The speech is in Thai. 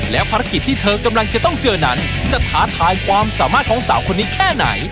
และภารกิจที่เธอกำลังจะต้องเจอนั้นจะท้าทายความสามารถของสาวคนนี้แค่ไหน